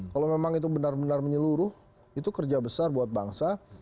kalau memang itu benar benar menyeluruh itu kerja besar buat bangsa